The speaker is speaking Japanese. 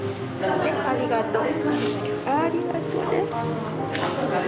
はいありがとう。